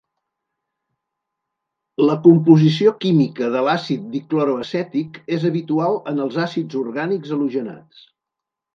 La composició química de l'àcid dicloroacètic és habitual en els àcids orgànics halogenats.